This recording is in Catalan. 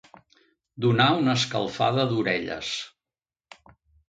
Donar una escalfada d'orelles.